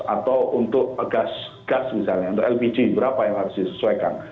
atau untuk gas misalnya untuk lpg berapa yang harus disesuaikan